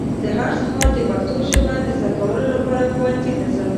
زه هر سهار د پښتو ژبه د ذده کولو لپاره ښونځي ته ځم.